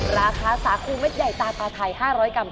ราคาสาคูเม็ดใหญ่ตาตาไทย๕๐๐กรั